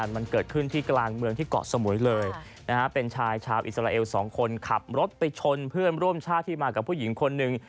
มันเกิดขึ้นที่กลางเมืองที่เกาะสมุยเลยเป็นชายชาวอิสราเอลสองคนขับรถไปชนเพื่อนร่วมชาติที่มากับผู้หญิงคนหนึ่ง